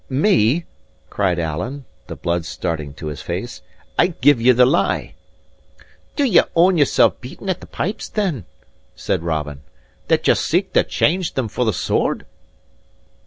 "Me!" cried Alan, the blood starting to his face. "I give ye the lie." "Do ye own yourself beaten at the pipes, then," said Robin, "that ye seek to change them for the sword?"